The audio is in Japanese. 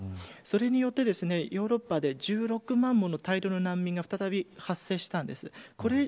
それによってヨーロッパで１６万もの大量の難民が再び発生したんです。